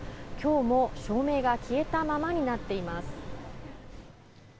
今日も照明が消えたままになっています。